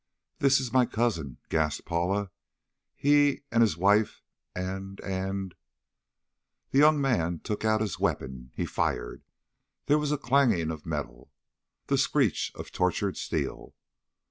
"This is my cousin," gasped Paula. "He and his wife and and "The young man took out his weapon. He fired. There was a clanging of metal, the screech of tortured steel.